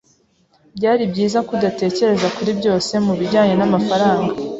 Byari byiza ko udatekereza kuri byose mubijyanye namafaranga.